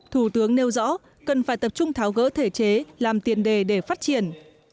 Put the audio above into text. thủ tướng nêu rõ cần phải tập trung tháo gỡ thể chế làm tiền đề để phát triển